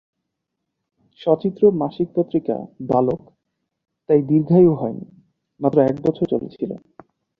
সচিত্র মাসিক পত্রিকা 'বালক' তাই দীর্ঘায়ু হয়নি, মাত্র এক বছর চলেছিল।